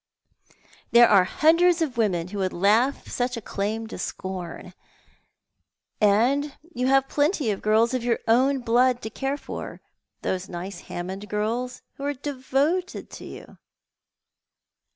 " There are hundreds of women who would laugh such a claim to scorn; and you have plenty of girls of your own blood to care for ; those nice Hammond girls, who are devoted to you."